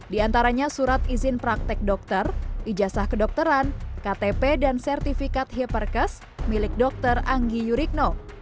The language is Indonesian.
di antaranya surat izin praktek dokter ijazah kedokteran ktp dan sertifikat hiperkes milik dr anggi yurikno